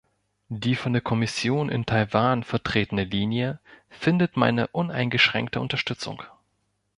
Die von der Kommission in Taiwan vertretene Linie findet meine uneingeschränkte Unterstützung.